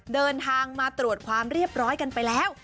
เดินทางมาตรวจความเรียบร้อยกันไปแล้ว